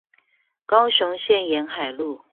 高雄縣沿海路